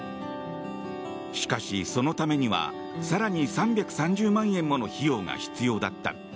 しかし、そのためには更に３３０万円もの費用が必要だった。